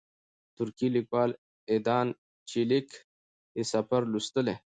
ترکی لیکوال ایدان چیلیک یې سفر لوستلی.